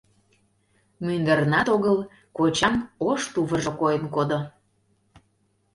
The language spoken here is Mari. Мӱндырнат огыл кочан ош тувыржо койын кодо.